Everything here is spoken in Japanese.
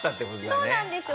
そうなんです。